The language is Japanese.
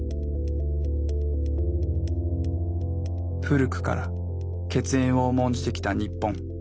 古くから血縁を重んじてきた日本。